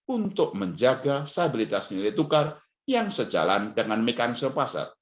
untuk menjaga stabilitas nilai tukar yang sejalan dengan mekanisme pasar